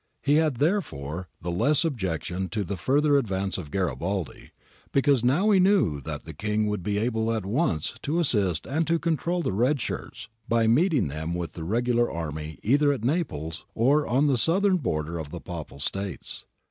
He had, therefore, the less objection to the further advance of Garibaldi, because he now knew that the King would be able at once to assist and to control the red shirts, by meeting them with the regular army either at Naples or on the southern border of the Papal States.